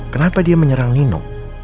kenapa dia menyerang nino